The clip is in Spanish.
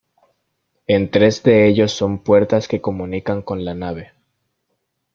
En tres de ellos son puertas que comunican con la nave.